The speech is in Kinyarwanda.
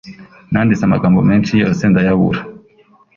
Nanditse amagambo menshi yose ndayabura